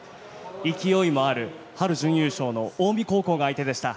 勢いもある春準優勝の近江高校が相手でした。